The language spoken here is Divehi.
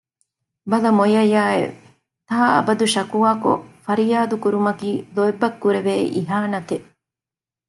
ބަލަ މޮޔަޔާއެވެ! ތާއަބަދު ޝަކުވާކޮށް ފަރިޔާދު ކުރުމަކީ ލޯތްބަށް ކުރެވޭ އިހާނަތެއް